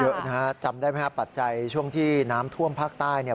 เยอะนะฮะจำได้ไหมครับปัจจัยช่วงที่น้ำท่วมภาคใต้เนี่ย